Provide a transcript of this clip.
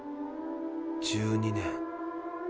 １２年。